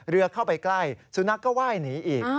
เรือเข้าไปใกล้สุนัขก็ไหว้หนีอีก